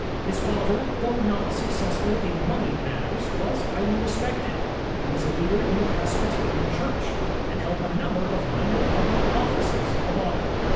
His father, though not successful in money matters, was higlily respected; he was a leader in the Presbyterian Church, and held a num ber of minor public offices of honor.